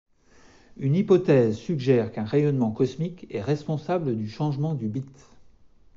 Une hypothèse suggère qu'un rayonnement cosmique est responsable du changement du bit.